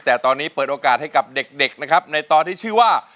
แต่ตอนนี้เปิดโอกาสให้กับเด็กนะครับในตอนที่ชื่อว่า